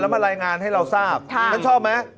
มารายงานให้เราทราบท่านชอบไหม